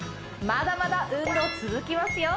まだまだ運動続きますよ